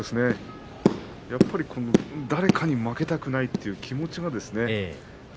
やっぱり誰かに負けたくないという気持ちがですね